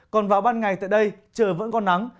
còn vào ban ngày tại đây trời vẫn còn nắng